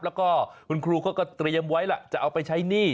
แล้วก็คุณครูเขาก็เตรียมไว้ล่ะจะเอาไปใช้หนี้